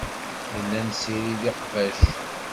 Nella nessirid iqbac.